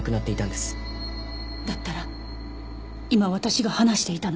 だったら今私が話していたのは？